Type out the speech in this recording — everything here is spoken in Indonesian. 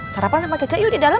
sarapan sama cece yuk di dalam